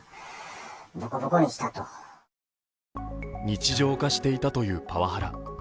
日常化していたというパワハラ。